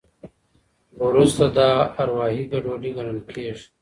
وروسته دا اروایي ګډوډي ګڼل کېږي.